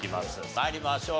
参りましょう。